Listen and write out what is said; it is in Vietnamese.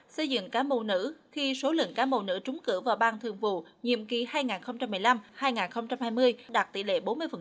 xây dựng cán bộ nữ khi số lượng cán bộ nữ trúng cử vào bang thường vụ nhiệm kỳ hai nghìn một mươi năm hai nghìn hai mươi đạt tỷ lệ bốn mươi